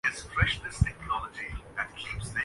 ان کی زندگی ڈرامائی پیچ و خم سے بھری ہوئی دکھائی دیتی ہے۔